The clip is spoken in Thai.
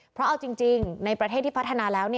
เพราะเอาจริงในประเทศที่พัฒนาแล้ว